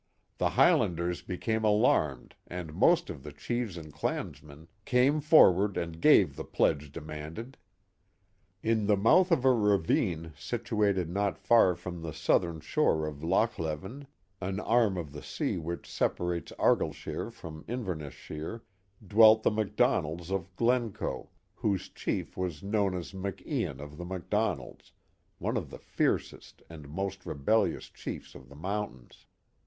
The Highlanders became alarmed and most of the chiefs and clansmen came forward and gave the pledge demanded. In the mouth of a ravine situated not far from the southern shore of Lochleven, an arm of the sea which separates Argyleshire from Inverness shire, dwell the MacDonalds of Glencoe, whose chief was known as Maclan of the MacDonalds, one of the fiercest and most rebellious chiefs of the mountains.